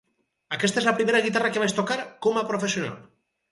Aquesta és la primera guitarra que vaig tocar com a professional.